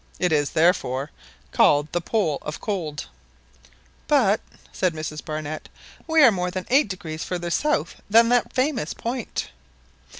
It is, therefore, called the 'pole of cold.' " "But," said Mrs Barnett, "we are more than 8° further south than that famous point."